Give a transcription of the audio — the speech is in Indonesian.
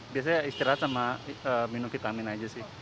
biasanya istirahat sama minum vitamin aja sih